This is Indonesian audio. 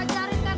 tidak tidak tidak